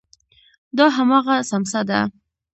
دا هماغه څمڅه ده.